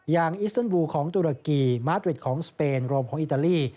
อิสเติลบูลของตุรกีมาร์ตริดของสเปนรวมของอิตาลี